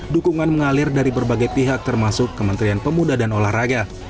dukungan mengalir dari berbagai pihak termasuk kementerian pemuda dan olahraga